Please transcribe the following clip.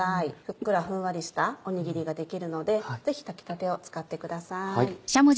ふっくらふんわりしたおにぎりができるのでぜひ炊きたてを使ってください。